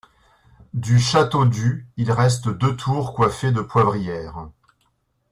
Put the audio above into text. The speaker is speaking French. Du château du il reste deux tours coiffées de poivrières.